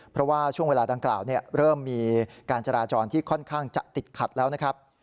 เพราะว่าช่วงเวลาดังกล่าวเริ่มมีการจราจรที่ค่อนข้างจะติดขัดแล้วนะครับ